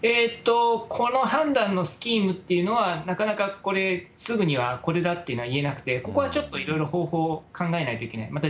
この判断のスキームというのは、なかなかこれ、すぐにはこれだっていうのは言えなくて、ここはちょっといろいろ、方法を考えてないといけない。